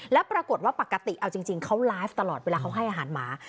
แล้วปรากฏว่าปกติเอาจริงเขาไลฟ์ตลอดเวลาเขาให้อาหารหมา